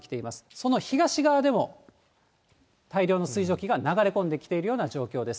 その東側でも、大量の水蒸気が流れ込んできているような状況です。